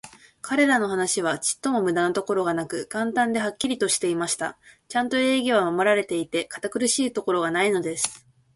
彼等の話は、ちょっとも無駄なところがなく、簡単で、はっきりしていました。ちゃんと礼儀は守られていて、堅苦しいところがないのです。